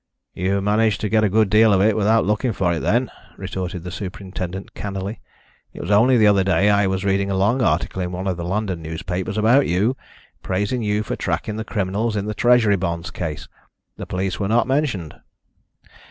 "You've managed to get a good deal of it without looking for it, then," retorted the superintendent cannily. "It was only the other day I was reading a long article in one of the London newspapers about you, praising you for tracking the criminals in the Treasury Bonds case. The police were not mentioned."